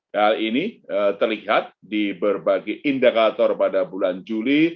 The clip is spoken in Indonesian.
hal ini terlihat di berbagai indikator pada bulan juli